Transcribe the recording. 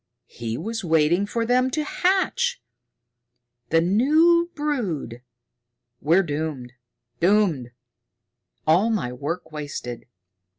He was waiting for them to hatch! The new brood! We're doomed doomed! All my work wasted!"